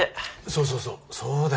そうそうそうそうだよ。